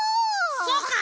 そうか！